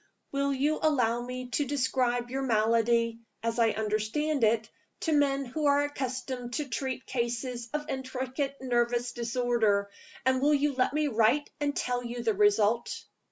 Will you allow me to describe your malady (as I understand it) to men who are accustomed to treat cases of intricate nervous disorder? And will you let me write and tell you the result?"